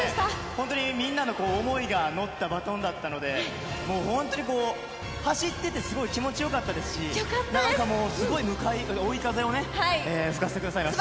本当にみんなの思いがのったバトンだったので、もう本当にもう、走ってて、すごい気持ちよかったですし、なんかもう、すごい追い風をね、吹かせてくださいました。